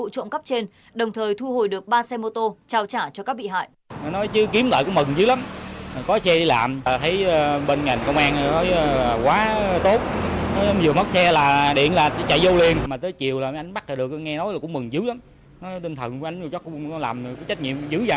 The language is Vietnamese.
công an đã bắt được hai đối tượng thực hiện vụ trộm cắp trên đồng thời thu hồi được ba xe mô tô trào trả cho các bị hại